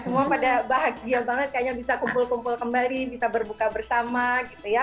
semua pada bahagia banget kayaknya bisa kumpul kumpul kembali bisa berbuka bersama gitu ya